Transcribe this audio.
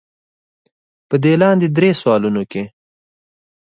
پۀ دې لاندې درې سوالونو کښې